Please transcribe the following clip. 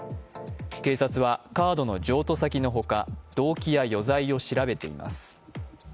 警察は、カードの譲渡先のほか動機や余罪を調べています。